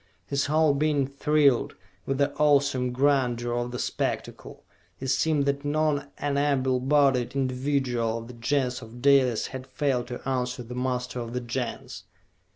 His whole being thrilled with the awesome grandeur of the spectacle; it seemed that not an able bodied individual of the Gens of Dalis had failed to answer the muster of the Gens.